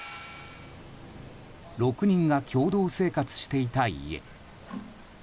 ６人が共同生活していた家。